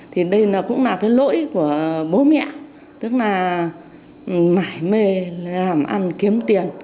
thì đây cũng là cái lỗi của bố mẹ tức là mải mê làm ăn kiếm tiền